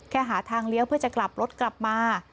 หาทางเลี้ยวเพื่อจะกลับรถกลับมา